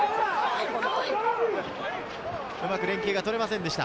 うまく連係が取れませんでした。